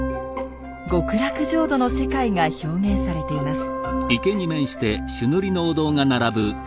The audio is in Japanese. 極楽浄土の世界が表現されています。